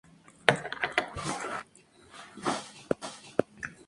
El ganador fue Luis Vilariño que se proclamó campeón gallego por primera vez.